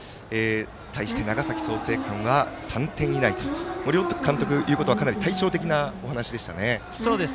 対して長崎、創成館は３点以内と両監督、かなり言うことは対照的なお話でしたね。